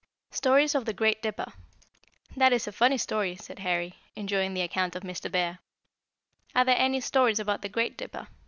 STORIES OF THE GREAT DIPPER. "That is a funny story," said Harry, enjoying the account of Mr. Bear. "Are there any stories about the Great Dipper?